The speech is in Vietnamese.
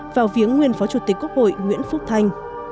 vào viếng nguyên phó chủ tịch quốc hội nguyễn phúc thanh